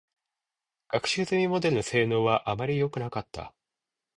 学習済みモデルの性能は、あまりよくなかった。